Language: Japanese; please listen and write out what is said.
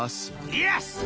よし！